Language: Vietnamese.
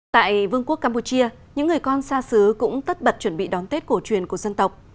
tại vương quốc campuchia những người con xa xứ cũng tất bật chuẩn bị đón tết cổ truyền của dân tộc